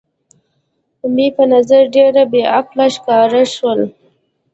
مې په نظر ډېره بې عقله ښکاره شول.